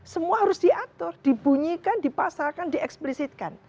semua harus diatur dibunyikan dipasarkan dieksplisitkan